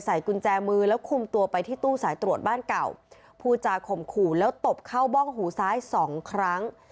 กุญแจมือแล้วคุมตัวไปที่ตู้สายตรวจบ้านเก่าผู้จาข่มขู่แล้วตบเข้าบ้องหูซ้ายสองครั้ง